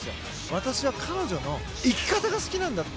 私は彼女の生き方が好きなんだって。